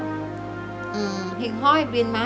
ทั้งในเรื่องของการทำงานเคยทำนานแล้วเกิดปัญหาน้อย